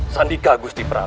sandika gusti prabu